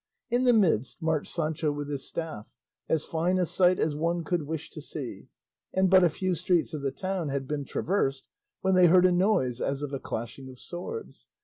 In the midst marched Sancho with his staff, as fine a sight as one could wish to see, and but a few streets of the town had been traversed when they heard a noise as of a clashing of swords.